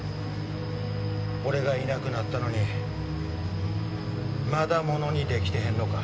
俺がいなくなったのにまだものに出来てへんのか？